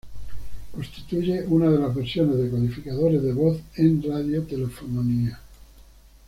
Constituyen una de las versiones de codificadores de voz en radiotelefonía.